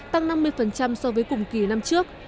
tăng năm mươi so với cùng kỳ năm trước